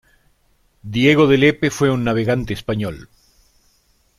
Diego de Lepe fue un navegante español.